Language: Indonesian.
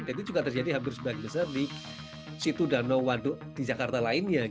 dan itu juga terjadi hampir sebagian besar di situ danau waduk di jakarta lainnya